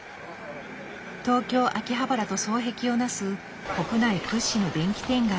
東京秋葉原と双璧をなす国内屈指の電気店街。